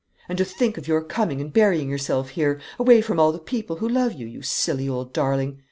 And to think of your coming and burying yourself here, away from all the people who love you, you silly old darling!